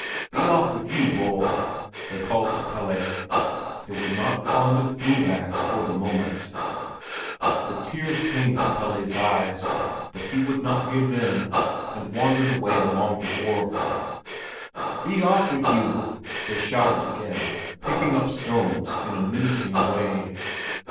"Be off with you, bull!" they called to Pelle. They were not fond of Blue bags for the moment. The tears came to Pelle's eyes, but he would not give in, and wandered away along the wharf. "Be off with you!" they shouted again, picking up stones in a menacing way.